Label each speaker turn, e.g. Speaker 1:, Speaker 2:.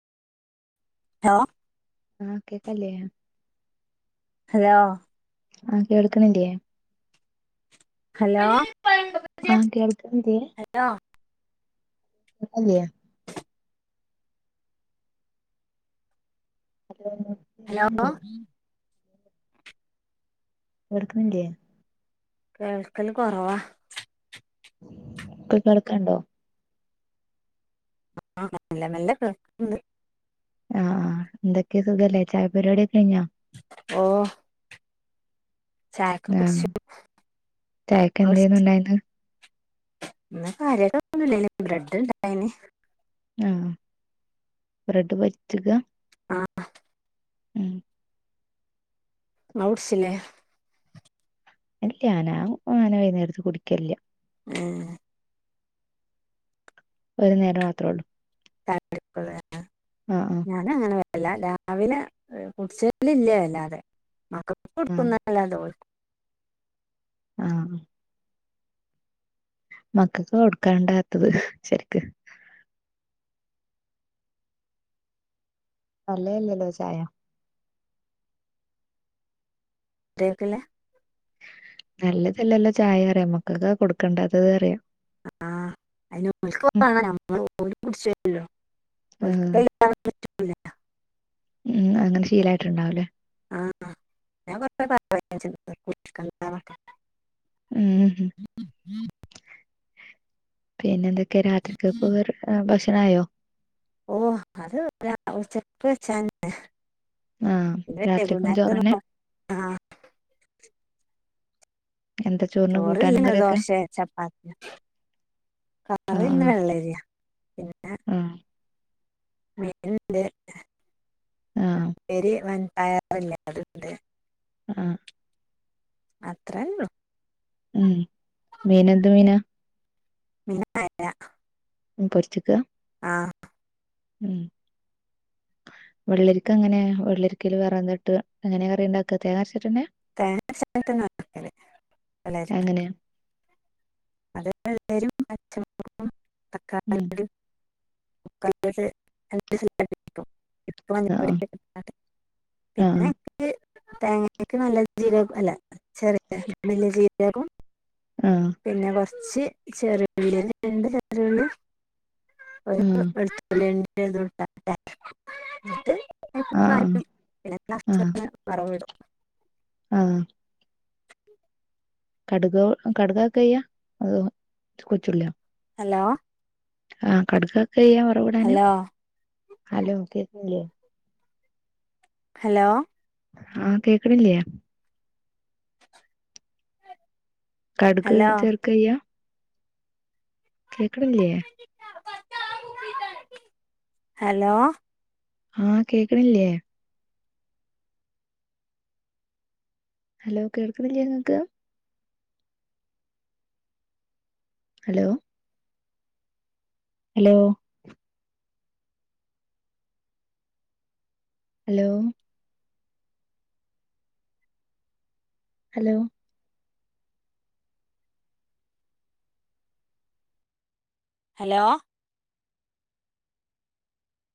Speaker 1: hello
Speaker 2: ആഹ് കേക്കല്ല്യ
Speaker 1: hello
Speaker 2: ആഹ് കേൾക്ക്ണില്ലേ
Speaker 1: ഹലോ
Speaker 2: ആഹ് കേൾക്ക്ണ് ല്യാ
Speaker 1: ലൊ
Speaker 2: അതേയോ [unintelligible]
Speaker 1: ഹലോ
Speaker 2: കേൾക്ക്ണ്ല്ലേ
Speaker 1: കേൾക്കല് കൊറവാ
Speaker 2: ഇപ്പൊക്കേൾക്ണ്ടോ
Speaker 1: ആഹ് മെല്ലെ മെല്ലെ കേക്ണ്ട്
Speaker 2: ആഹ എന്തൊക്കെ സുഖല്ലേ ചായ പരിപാടിയൊക്കെ കയിഞ്ഞോ
Speaker 1: ഓ ചായക്കെ
Speaker 2: ആഹ്
Speaker 1: കുടിച്ച്
Speaker 2: ചായക്ക് എന്തേന്നു
Speaker 1: ബൂസ്റ്റ്
Speaker 2: ഉണ്ടായിന്ന്
Speaker 1: ഇന്ന് കാര്യൊയ്ടൊന്നും ല്ലെനി ബ്രെഡ്ഡ്ണ്ടായിന്
Speaker 2: ആഹ് ബ്രെഡ് പൊരിച്ചതാ
Speaker 1: ആഹ്
Speaker 2: ഉം
Speaker 1: ങ്ങ്ളുട്ചിലേ
Speaker 2: ഇല്ല ഞാൻ അങ്ങനെ വൈന്നേരത്ത് കുടിക്കലില്ല
Speaker 1: ഉം
Speaker 2: ഒരു നേരം മാത്രേള്ളൂ
Speaker 1: [unintelligible]
Speaker 2: ആഹ് ആഹ്
Speaker 1: [unintelligible] രാവിലെ കുടിച്ച് [unintelligible] വല്ലാതെ മക്കൾക്ക്
Speaker 2: ആഹ് ആഹ്
Speaker 1: കൊടുക്കുന [unintelligible]
Speaker 2: ആഹ് മക്കക്ക് കൊടുക്കാൻണ്ടാത്തത് ശരിക്ക് നല്ലതല്ലല്ലോ ചായ
Speaker 1: ക്കേകല്ലാ
Speaker 2: നല്ലതല്ലല്ലോ ചായാറിയ മക്കളക്ക് കൊടുക്കണ്ടാത്തത്റയാ
Speaker 1: ആഹ്
Speaker 2: ആഹ്
Speaker 1: [unintelligible] [unintelligible]
Speaker 2: ഉം അങ്ങനെ ശീലായിട്ട്ണ്ടാവുംലേ
Speaker 1: ആഹ് ആഹ് ഞാൻ [unintelligible] [unintelligible]
Speaker 2: ഉം പിന്നെന്തൊക് ക്കെ രാത്രികക്ക്ള്ള ഏ ഭക്ഷണായോ
Speaker 1: ഓഹ് അത് വ ഉച്ചക്ക് വെച്ചെന്നെ
Speaker 2: ആഹ് രാത്രിക്കും ചോറന്നെ
Speaker 1: [unintelligible] ആഹ്
Speaker 2: എന്താ ചോറിന് കൂട്ടാനും
Speaker 1: ചോറ്ല്ലേ
Speaker 2: കറിയൊക്കെ
Speaker 1: ദോശെ ചപ്പാത്തിയോ കറിന്ന്
Speaker 2: ആഹ്
Speaker 1: വെള്ളരിയാ പിന്നെ
Speaker 2: ആഹ് ആഹ്
Speaker 1: [unintelligible]
Speaker 2: ഉം
Speaker 1: അത്രൊള്ളൂ
Speaker 2: ഉം മീനെന്ത്‌ മീനാ
Speaker 1: [unintelligible]
Speaker 2: പൊര്ച്ച്ക്ക
Speaker 1: ആഹ്
Speaker 2: ഉം വെള്ളരിക്കങ്ങനെ വെള്ളരിക്കേല് വേറന്നേട്ട് എങ്ങനെകറിണ്ടാക്ക തേങ്ങര്ച്ച്ട്ടന്നെ
Speaker 1: [unintelligible]
Speaker 2: എങ്ങനെയാ
Speaker 1: അത് വെള്ളരിയും പച്ചമുളകും
Speaker 2: ഉം
Speaker 1: തക്കാളിയും കൂടി [unintelligible]
Speaker 2: ആഹ്
Speaker 1: ഇട്ടാണ്ട്
Speaker 2: ആഹ്
Speaker 1: പിന്നെ നിക്ക് തേങ്ങക്ക് നല്ല ജീരക അല്ല ചെറിയലിയ ജീരകോം
Speaker 2: ആഹ്
Speaker 1: പിന്നെ കൊർച്ച് ചെറ്യേ രണ്ട് ചെറ്യേള്ളീം ഒരു
Speaker 2: ആഹ്
Speaker 1: വെള്തുള്ളീം [unintelligible]
Speaker 2: ആഹ് ആഹ്
Speaker 1: നഷ്ടന്ന് വറവിടും
Speaker 2: ആഹ് കട്കൊ കടകക്കെയ്യ അത് കൊച്ചുള്യോ
Speaker 1: ഹലോ
Speaker 2: ആഹ് കട്കാക്കയ്യ വറ്വ്ടാന്
Speaker 1: ഹലോ
Speaker 2: ഹലോ കേക്ക്ണില്ലേ
Speaker 1: ഹലോ
Speaker 2: ആഹ് കേൾക്കണില്ല്യെ കട്ക്
Speaker 1: ഹലോ
Speaker 2: ചേർക്കയ്യ കേക്ക്ണില്ല്യെ
Speaker 1: ഹലോ
Speaker 2: ആഹ് കേക്ക്ണില്ലേ ഹലോ കേൾക്കുന്നില്ലേങ്ങൾക്ക് hello hello hello hello
Speaker 1: hello